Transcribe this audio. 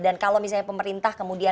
dan kalau misalnya pemerintah kemudian